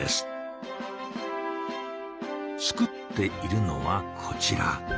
作っているのはこちら。